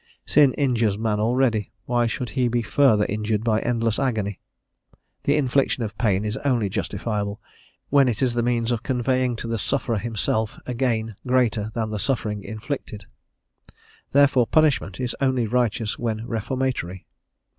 Sin injures man already, why should he be further injured by endless agony? The infliction of pain is only justifiable when it is the means of conveying to the sufferer himself a gain greater than the suffering inflicted; therefore punishment is only righteous when reformatory.